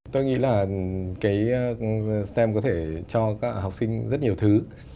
tôi nghĩ là cái stem có thể cho học sinh rất nhiều thứ